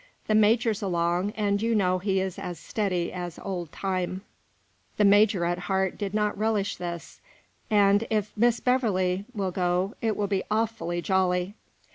The major's along, and you know he is as steady as old Time" the major at heart did not relish this "and, if Mrs. Beverley will go, it will be awfully jolly."